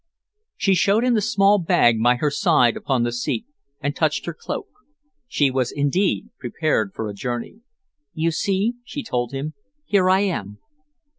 She showed him the small bag by her side upon the seat, and touched her cloak. She was indeed prepared for a journey. "You see," she told him, "here I am."